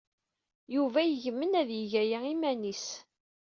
Yuba yegmen ad yeg aya iman-is.